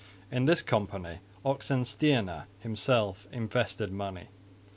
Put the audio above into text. In this company Oxenstierna himself invested money.